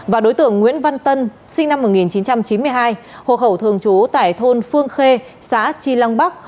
và đối tượng nguyễn văn tân sinh năm một nghìn chín trăm chín mươi hai hộ khẩu thường trú tại thôn phương khê xã tri lăng bắc